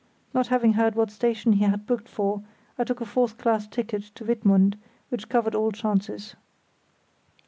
Not having heard what station he had booked for, I took a fourth class ticket to Wittmund, which covered all chances.